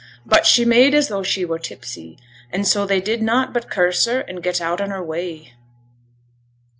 But she made as though she were tipsy, an' so they did nought but curse her, an' get out on her way.'